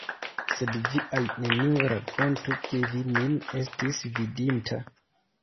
Sed vi al neniu rakontu, ke vi min estis vidinta!